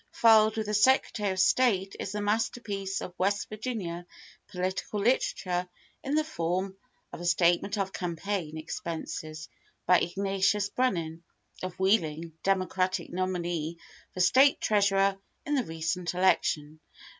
Filed with the Secretary of State is the master¬ piece of West Virginia political literature in the form of a statement of campaign expenses of Ignat¬ ius Brennan of Wheeling, Domocratic nominee for State Treasurer in the recent election.